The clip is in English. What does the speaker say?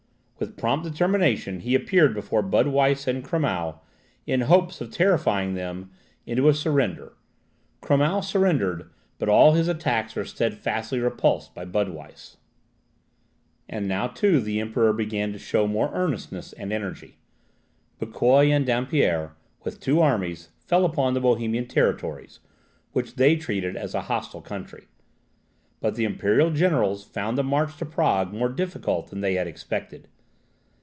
With prompt determination he appeared before Budweiss and Krummau, in the hope of terrifying them into a surrender. Krummau surrendered, but all his attacks were steadfastly repulsed by Budweiss. And now, too, the Emperor began to show more earnestness and energy. Bucquoi and Dampierre, with two armies, fell upon the Bohemian territories, which they treated as a hostile country. But the imperial generals found the march to Prague more difficult than they had expected.